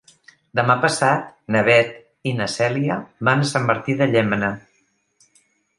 Demà passat na Beth i na Cèlia van a Sant Martí de Llémena.